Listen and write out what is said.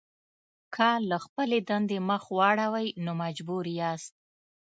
که له خپلې دندې مخ واړوئ نو مجبور یاست.